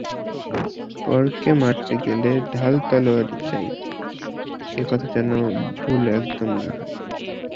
পরকে মারতে গেলে ঢাল-তলওয়ার চাই, এ কথা যেন ভুল একদম না হয়।